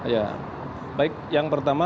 ya baik yang pertama